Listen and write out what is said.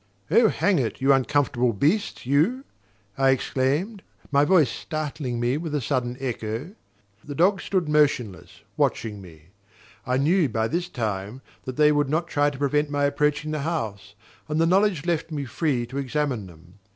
"Oh, hang it you uncomfortable beasts, you!" I exclaimed, my voice startling me with a sudden echo. The dogs stood motionless, watching me. I knew by this time that they would not try to prevent my approaching the house, and the knowledge left me free to examine them.